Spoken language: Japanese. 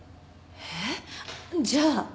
えっじゃあ。